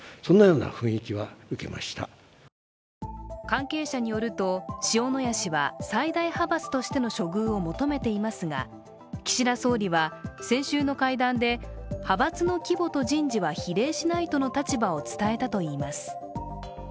関係者によると、塩谷氏は最大派閥としての処遇を求めていますが岸田総理は先週の会談で派閥の規模と人事は比例しないとの立場を伝えたといいます。